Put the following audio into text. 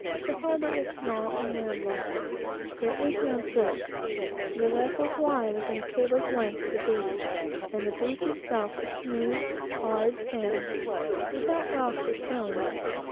The harbor is small and land locked; there is no surf; the vessels lie within a cable's length of the beach; and the beach itself is smooth, hard sand, without rocks or stones.